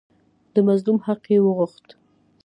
د مظلوم حق یې وغوښت.